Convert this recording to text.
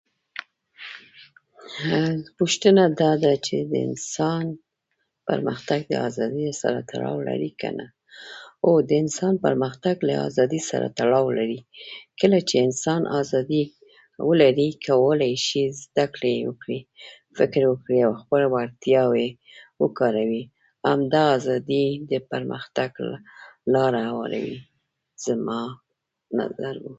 ليک لوست د انسان لويه سرمايه ده